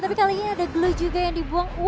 tapi kali ini ada gloy juga yang dibuang